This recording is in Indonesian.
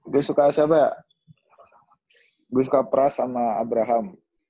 gua suka siapa gua suka pras sama abraham